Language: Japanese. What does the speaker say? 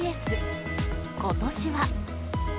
ことしは。